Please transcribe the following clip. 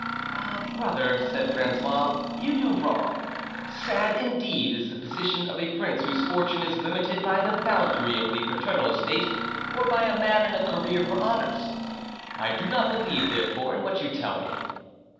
"Ah, brother," said François, "you do wrong. Sad indeed is the position of a prince whose fortune is limited by the boundary of the paternal estate or by a man in a career for honors! I do not believe, therefore, in what you tell me."